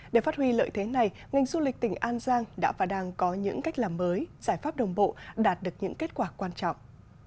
để phát huy lợi thế này ngành du lịch tỉnh an giang đã và đang có những cách làm mới giải pháp đồng bộ đạt được những kết quả quan trọng